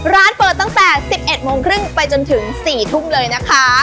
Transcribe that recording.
ร้านเปิดตั้งแต่๑๑๓๐ไปจนถึง๔ทุ่มเลยนะคะ